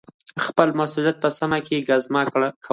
خپل د مسؤلیت په سیمه کي ګزمه کول